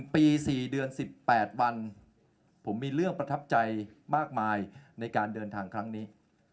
ปี๔เดือน๑๘วันผมมีเรื่องประทับใจมากมายในการเดินทางครั้งนี้